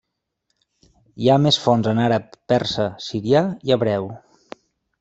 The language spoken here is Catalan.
Hi ha més fonts en àrab, persa, sirià i hebreu.